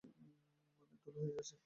মানে, ধুলো হয়ে গেছে?